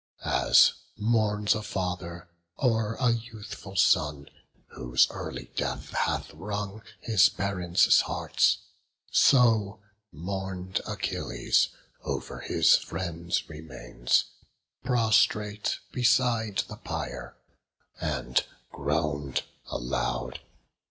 As mourns a father o'er a youthful son, Whose early death hath wrung his parents' hearts; So mourn'd Achilles o'er his friend's remains, Prostrate beside the pyre, and groan'd aloud.